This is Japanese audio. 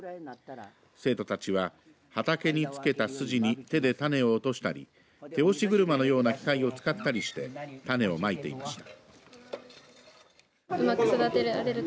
生徒たちは畑につけた筋に手で種を落としたり手押し車のような機械を使ったりして種をまいていました。